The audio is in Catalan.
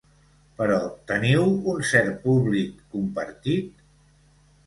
¿Però teniu un cert públic compartit?